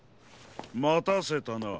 またせたな。